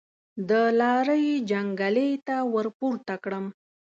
د لارۍ جنګلې ته ورپورته کړم.